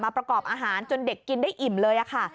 ประกอบอาหารจนเด็กกินได้อิ่มเลยค่ะ